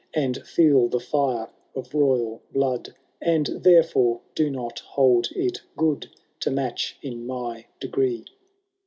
And feel the fire of royal blood. And therefore do not hold it good To match in my degree.